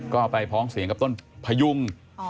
ก็ไปพ้องเสียงกับต้นพยุง